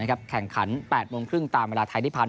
แข่งขัน๘๓๐ตามเวลาไทยได้พัน